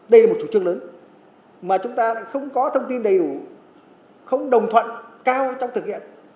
đây là một chủ trương lớn mà chúng ta lại không có thông tin đầy đủ không đồng thuận cao trong thực hiện